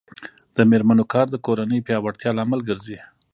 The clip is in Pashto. د میرمنو کار د کورنۍ پیاوړتیا لامل ګرځي.